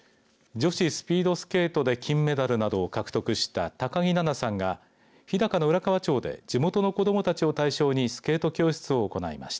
女子スピードスケートで金メダルなどを獲得した高木菜那さんが日高の浦河町で地元の子どもたちを対象にスケート教室を行いました。